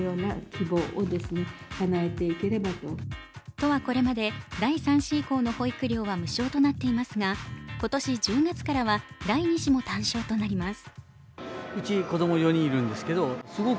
都ではこれまで第３子以降の保育料は無償となっていますが今年１０月からは第２子も対象となります。